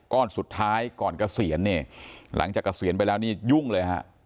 ก้อนสุดท้ายก่อนเกษียณเนี่ยหลังจากเกษียณไปแล้วนี่ยุ่งเลยฮะ